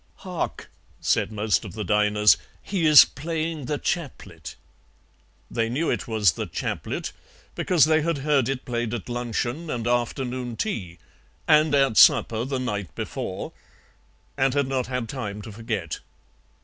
"'Hark!' said most of the diners, 'he is playing "The Chaplet."' "They knew it was 'The Chaplet' because they had heard it played at luncheon and afternoon tea, and at supper the night before, and had not had time to forget.